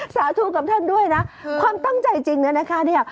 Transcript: ซะทูกับท่านด้วยนะความตั้งใจจริงนะคะเนี่ย